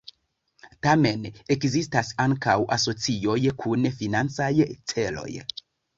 Tamen ekzistas ankaŭ asocioj kun financaj celoj.